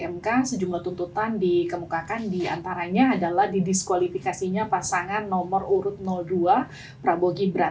di dmk sejumlah tuntutan dikemukakan diantaranya adalah didiskualifikasinya pasangan nomor urut dua prabowo gibran